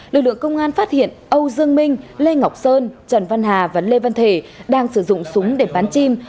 lực lượng công an phát hiện âu dương minh lê ngọc sơn trần văn hà và lê văn thể đang sử dụng súng để bắn chim